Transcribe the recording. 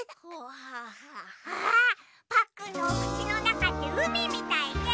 わあパックンのおくちのなかってうみみたいね。